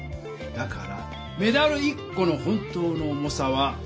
だからメダル１この本当の重さは。